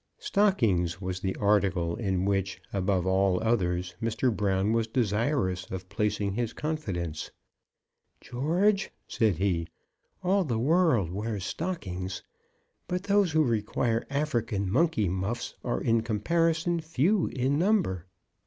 Stockings was the article in which, above all others, Mr. Brown was desirous of placing his confidence. "George," said he, "all the world wears stockings; but those who require African monkey muffs are in comparison few in number.